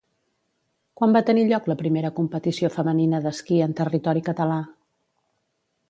Quan va tenir lloc la primera competició femenina d'esquí en territori català?